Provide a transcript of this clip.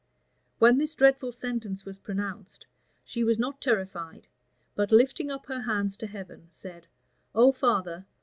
When this dreadful sentence was pronounced, she was not terrified, but lifting up her hands to heaven, said, "O Father!